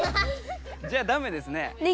じゃあダメですね。